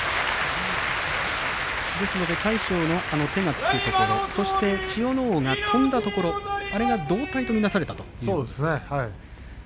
ですから魁勝の手がつくところ、そして千代ノ皇が飛んだところあれが同体と見なされたということですね。